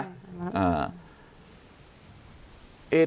ใช่ครับ